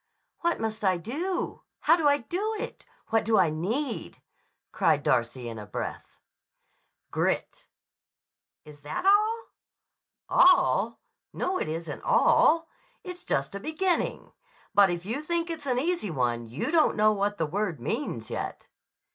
"What must I do? How do I do it? What do I need?" cried Darcy in a breath. "Grit." "Is that all?" "All? No; it isn't all. It's just a beginning. But if you think it's an easy one you don't know what the word means yet."